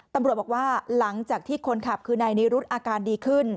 ตำรวจบอกว่าหลังจากที่คนขับคือนายนิรุธอาการดีขึ้น